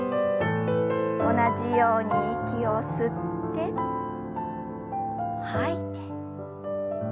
同じように息を吸って吐いて。